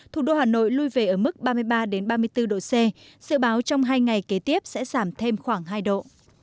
thủ đô hà nội lùi về ở mức ba mươi ba ba mươi bốn độ c dự báo trong hai ngày kế tiếp sẽ giảm thêm khoảng hai độ